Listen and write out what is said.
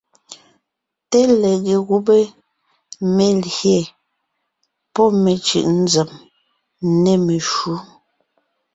Té lege gùbé (melyè pɔ́ mecʉ̀ʼ nzèm) nê meshǔ.